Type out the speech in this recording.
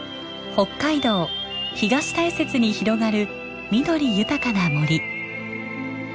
北海道東大雪に広がる緑豊かな森。